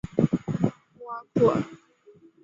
穆阿库尔。